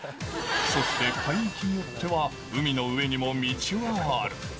そして海域によっては、海の上にも道はある。